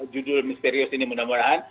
judul misterius ini mudah mudahan